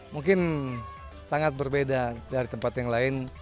mungkin sangat berbeda dari tempat yang lain